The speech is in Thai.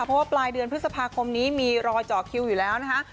เพราะว่าปลายเดือนพฤษภาคมนี้มีรอยเจาะคิวอยู่แล้วนะคะ